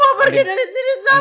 mau pergi dari sini